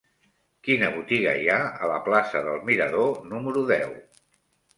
Quina botiga hi ha a la plaça del Mirador número deu?